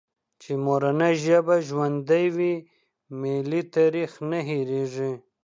چي مورنۍ ژبه ژوندۍ وي، ملي تاریخ نه هېرېږي.